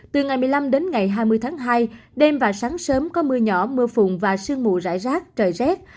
từ ngày một mươi năm đến ngày hai mươi tháng hai đêm và sáng sớm có mưa nhỏ mưa phùn và sương mù rải rác trời rét